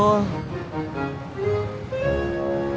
itu nggak betul